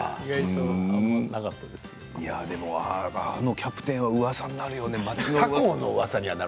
でも、あのキャプテンはうわさになるよね、町の。